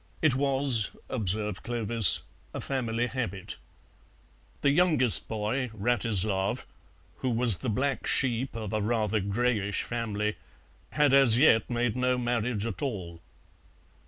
It was, observed Clovis, a family habit. The youngest boy, Wratislav, who was the black sheep of a rather greyish family, had as yet made no marriage at all.